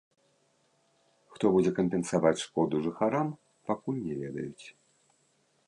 Хто будзе кампенсаваць шкоду жыхарам, пакуль не ведаюць.